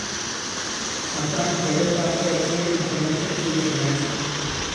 Sometimes Redenbacher appeared in commercials with his grandson.